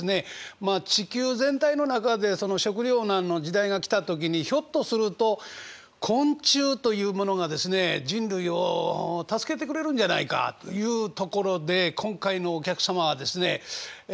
まあ地球全体の中でその食糧難の時代が来た時にひょっとすると昆虫というものがですね人類を助けてくれるんじゃないかというところで今回のお客様はですねえ